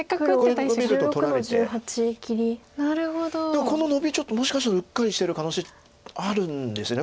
でもこのノビちょっともしかしたらうっかりしてる可能性あるんですよね。